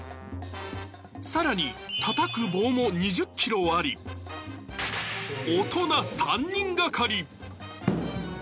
さらにたたく棒も２０ｋｇあり、大人３人がかり。